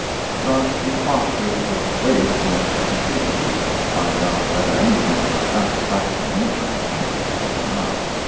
Thus the Fosters had to wait almost a complete week to find out whether anything of a satisfactory nature had happened to him or not.